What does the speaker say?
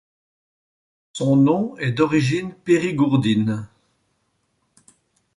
Son nom est d'origine périgourdine.